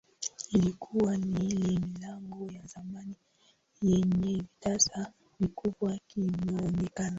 Ilikuwa ni ile milango ya zamani yenye vitasa vikubwa kimuonekano